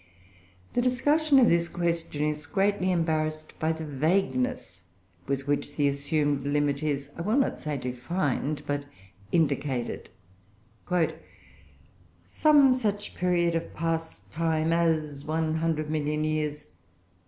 The discussion of this question is greatly embarrassed by the vagueness with which the assumed limit is, I will not say defined, but indicated, "some such period of past time as one hundred million years."